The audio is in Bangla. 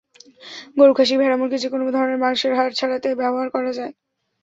গরু, খাসি, ভেড়া, মুরগি—যেকোনো ধরনের মাংসের হাড় ছাড়াতে ব্যবহার করা যায়।